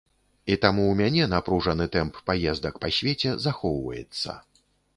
І таму ў мяне напружаны тэмп паездак па свеце захоўваецца.